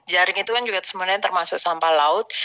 jaring itu kan juga sebenarnya termasuk sampah laut